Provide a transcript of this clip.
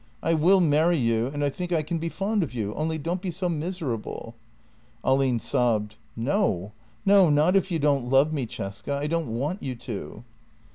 I will marry you, and I think I can be fond of you, only don't be so miserable." Ahlin sobbed: "No, no — not if you don't love me, Cesca; I don't want you to. ..